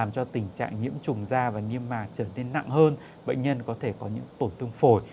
làm cho tình trạng nhiễm trùng da và niêm mạc trở nên nặng hơn bệnh nhân có thể có những tổn thương phổi